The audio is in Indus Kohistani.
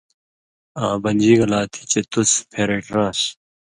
آں بنژی گلا تھی چے تُس پھېرٹیۡران٘س۔